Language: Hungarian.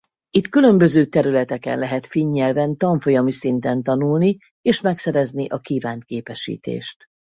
Itt különböző területeken lehet finn nyelven tanfolyami szinten tanulni és megszerezni a kívánt képesítést.